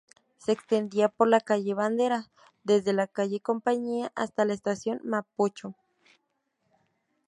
Se extendía por la calle Bandera, desde la calle Compañía hasta la Estación Mapocho.